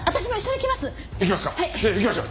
行きましょう。